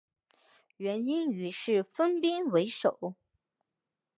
元英于是分兵围守。